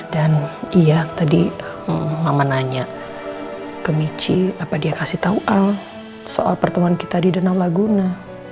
dan iya tadi mama nanya ke michi apa dia kasih tau al soal pertemuan kita di danau laguna